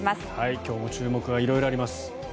今日も注目が色々あります。